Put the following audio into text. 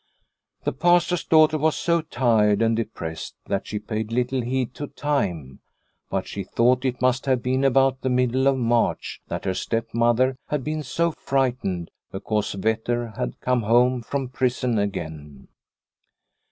The Pastor's daughter was so tired and de pressed that she paid little heed to time, but she thought it must have been about the middle of March that her stepmother had been so frightened because Vetter had come home from prison again.